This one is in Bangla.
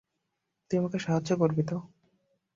তুই আমাকে সাহায্য করবি তো?